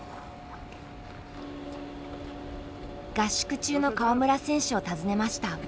合宿中の川村選手を訪ねました。